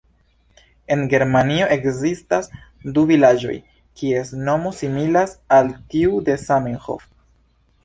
En Germanio ekzistas du vilaĝoj, kies nomo similas al tiu de "Zamenhof".